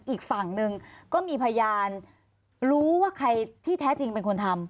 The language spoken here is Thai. อีกฝั่งหนึ่งก็มีพยานรู้ว่าใครที่แท้จริงเป็นคนทำ